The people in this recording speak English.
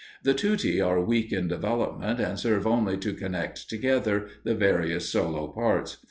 The tutti are weak in development, and serve only to connect together the various solo parts.